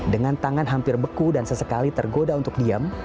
dengan tangan hampir beku dan sesekali tergoda untuk diam